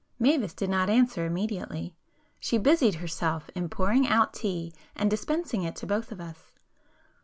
Mavis did not answer immediately,—she busied herself in pouring out tea and dispensing it to both of us.